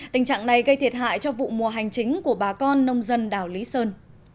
tình trạng này gây thiệt hại cho vụ mùa hành chính của bà con nông dân đảo lý sơn